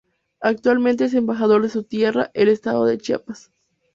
Actualmente es Embajador de su tierra, el estado de Chiapas.